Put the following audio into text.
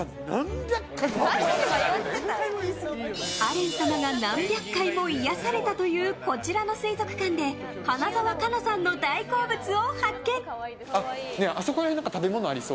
アレン様が何百回も癒やされたというこちらの水族館で花澤香菜さんの大好物を発見！